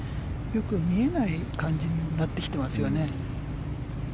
よく見えない感じになってきていますよね。